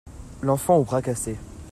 L'enfant au bras cassé.